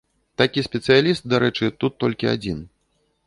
Такі спецыяліст, дарэчы, тут толькі адзін.